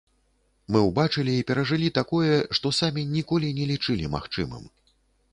Мы ўбачылі і перажылі такое, што самі ніколі не лічылі магчымым.